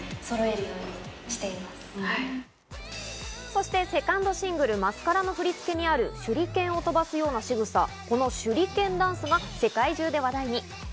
そして、セカンドシングル『ＭＡＳＣＡＲＡ』の振り付けにある手裏剣を飛ばすようなしぐさ、この手裏剣ダンスが世界中で話題に。